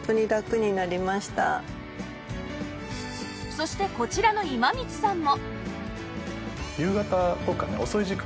そしてこちらの今道さんも